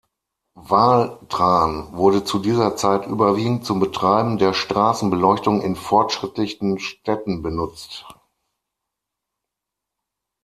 Wal-Tran wurde zu dieser Zeit überwiegend zum Betreiben der Straßenbeleuchtung in fortschrittlichen Städten benutzt.